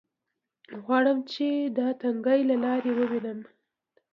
غواړم چې دا تنګې لارې ووینم.